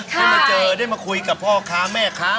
ได้มาเจอได้มาคุยกับพ่อค้าแม่ค้า